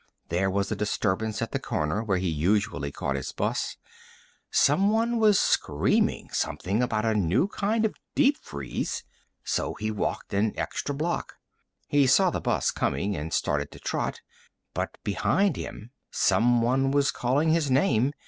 There was a disturbance at the corner where he usually caught his bus someone was screaming something about a new kind of deep freeze so he walked an extra block. He saw the bus coming and started to trot. But behind him, someone was calling his name.